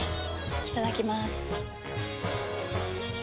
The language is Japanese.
いただきまーす。